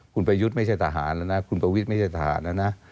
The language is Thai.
คุณประยุทธ์ไม่ใช่ทหารแล้วนะคุณประวิทย์ไม่ใช่ทหารแล้วนะ